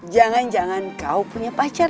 jangan jangan kau punya pacar